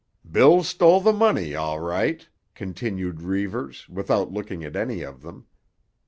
"Bill stole the money, all right," continued Reivers, without looking at any of them.